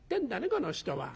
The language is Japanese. この人は。